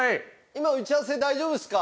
今打ち合わせ大丈夫ですか？